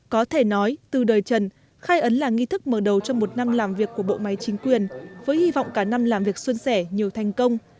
có thể nói từ đời trần khai ấn là nghi thức mở đầu cho một năm làm việc của bộ máy chính quyền với hy vọng cả năm làm việc xuân sẻ nhiều thành công